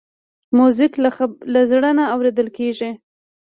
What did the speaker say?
موزیک له زړه نه اورېدل کېږي.